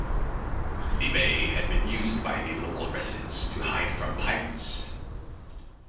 The bay had been used by the local residents to hide from pirates.